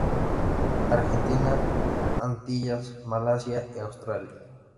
Argentina, Antillas, Malasia y Australia.